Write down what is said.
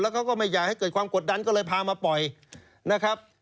เขาก็ไม่อยากให้เกิดความกดดันก็เลยพามาปล่อยนะครับ